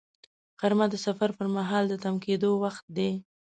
غرمه د سفر پر مهال د تم کېدو وخت دی